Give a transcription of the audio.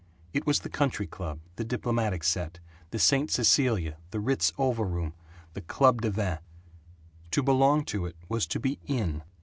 It was the country club, the diplomatic set, the St. Cecilia, the Ritz oval room, the Club de Vingt. To belong to it was to be "in."